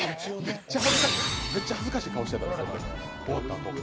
めっちゃ恥ずかしい顔してたで終わったあと。